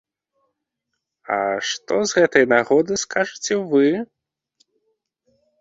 А што з гэтай нагоды скажаце вы?